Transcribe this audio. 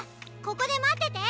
ここでまってて！